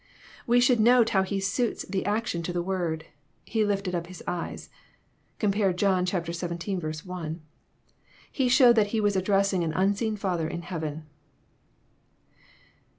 We should note how He suits the action to the word. " He lifted up His eyes." (Compare John xvii. 1.) He showed that He was addressing an unseen Father in heaven.